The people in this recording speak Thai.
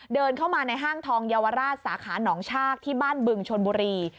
เดินเข้ามาในห้างทองเยาวราชสาขาหนองชากที่บ้านบึงชนบุรี